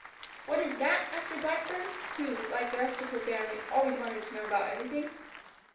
"What is that?" asked a Blackbird, who, like the rest of her family, always wanted to know about everything.